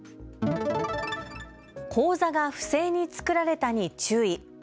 口座が不正に作られたに注意。